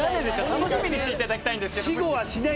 楽しみにしていただきたいけど。